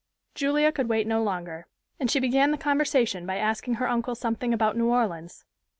Julia could wait no longer, and she began the conversation by asking her uncle something about New Orleans.